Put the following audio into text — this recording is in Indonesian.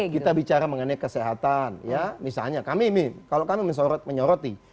kita bicara mengenai kesehatan ya misalnya kami ini kalau kami menyoroti